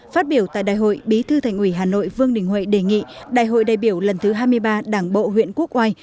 phát biểu tại đại hội bí thư thành ủy hà nội vương đình huệ đề nghị đại hội đại biểu lần thứ hai mươi ba đảng bộ huyện quốc oai